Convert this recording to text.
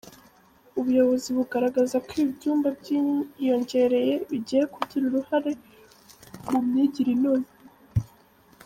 Ubuyobozi bugaragaza ko ibi byumba byiyongereye bigiye kugira ruhare mu myigire inoze.